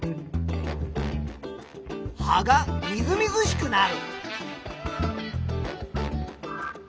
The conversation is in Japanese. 葉がみずみずしくなる。